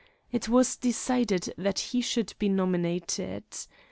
It was decided that he should be nominated.